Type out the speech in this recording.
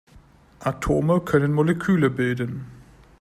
Atome können Moleküle bilden.